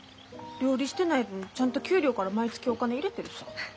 料理してない分ちゃんと給料から毎月お金入れてるさぁ。